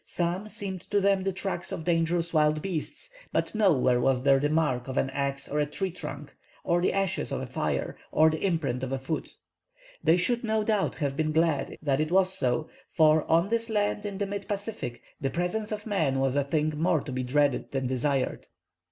Some seemed to them the tracks of dangerous wild beasts, but nowhere was there the mark of an axe on a tree trunk, or the ashes of a fire, or the imprint of a foot. They should no doubt have been glad that it was so, for on this land in the mid Pacific, the presence of man was a thing more to be dreaded than desired.